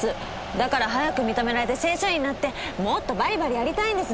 だから早く認められて正社員になってもっとバリバリやりたいんです。